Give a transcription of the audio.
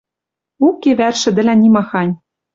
Уке вӓр шӹдӹлӓн нимахань.